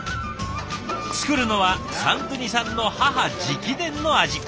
作るのはサンドゥニさんの母直伝の味。